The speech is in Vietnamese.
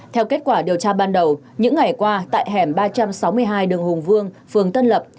theo kết quả điều tra ban đầu những ngày qua tại hẻm ba trăm sáu mươi hai đường hùng vương phường tân lập